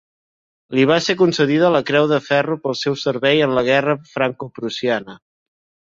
Li va ser concedida la Creu de Ferro pel seu servei en la Guerra francoprussiana.